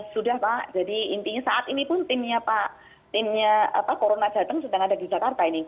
sudah pak jadi intinya saat ini pun timnya pak timnya corona jateng sedang ada di jakarta ini